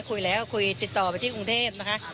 คุยแล้วคุยติดต่อไปที่กรุงเทพนะคะ